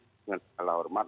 dengan segala hormat